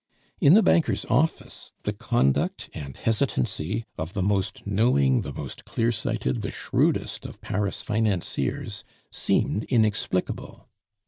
In the banker's office the conduct and hesitancy of the most knowing, the most clearsighted, the shrewdest of Paris financiers seemed inexplicable.